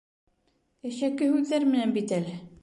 Әшәке һүҙҙәр менән бит әле.